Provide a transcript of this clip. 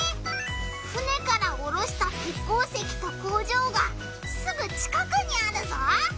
船からおろした鉄鉱石と工場がすぐ近くにあるぞ！